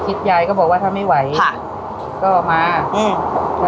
ยายก็บอกว่าถ้าไม่ไหวค่ะก็มาอืม